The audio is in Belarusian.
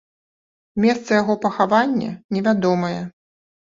Месца яго пахавання невядомае.